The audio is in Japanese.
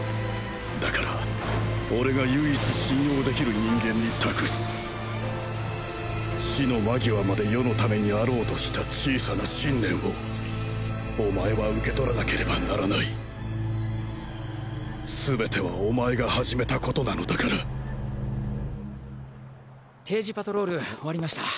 だから俺が唯一信用できる人間に託す死の間際まで世の為にあろうとした小さな信念をおまえは受け取らなければならない全てはおまえが始めた事なのだから定時パトロール終わりました。